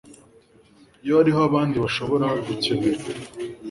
iyo hariho abandi bashobora gukenera